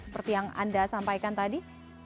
seperti yang anda sampaikan tadi